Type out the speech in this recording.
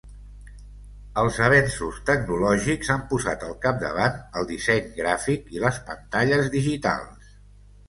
Els avenços tecnològics han posat al capdavant el disseny gràfic i les pantalles digitals.